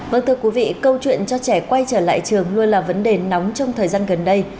vâng thưa quý vị câu chuyện cho trẻ quay trở lại trường luôn là vấn đề nóng trong thời gian gần đây